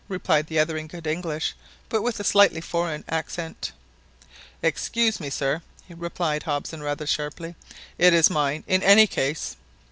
replied the other in good English, but with a slightly foreign accent. "Excuse me, sir," replied Hobson rather sharply, "it is mine in any case."